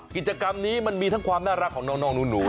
กิจกรรมนี้มันมีทั้งความน่ารักของน้องหนู